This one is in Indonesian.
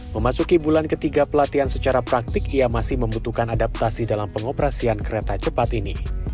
memasuki bulan ketiga pelatihan secara praktik ia masih membutuhkan adaptasi dalam pengoperasian kereta cepat ini